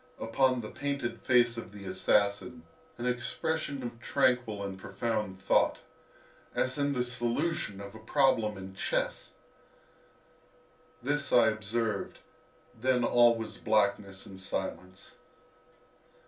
—upon the painted face of his assassin an expression of tranquil and profound thought, as in the solution of a problem in chess! This I observed, then all was blackness and silence.